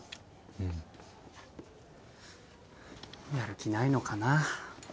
やる気ないのかな。